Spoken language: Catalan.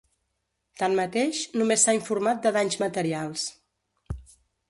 Tanmateix, només s’ha informat de danys materials.